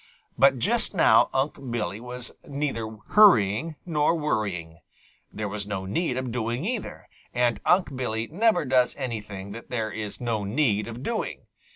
But just now Unc' Billy was neither hurrying nor worrying. There was no need of doing either, and Unc' Billy never does anything that there is no need of doing.